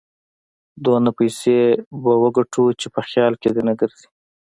دونه پيسې به وګټو چې په خيال کې دې نه ګرځي.